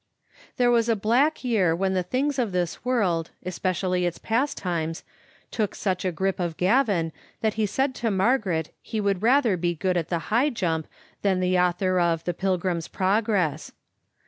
There was a black year when the things of this world, especially its pastimes, took such a grip of Gavin that he said to Margaret he would rather be good at the high jump than the author of " The Pilgrim's Progress.